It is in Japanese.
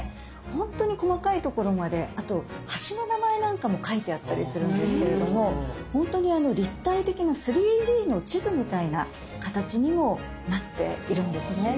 ほんとに細かいところまであと橋の名前なんかも書いてあったりするんですけれどもほんとに立体的な３Ｄの地図みたいな形にもなっているんですね。